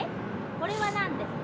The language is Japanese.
これはなんですか？